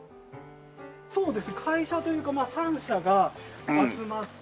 そうですね会社というか３社が集まって。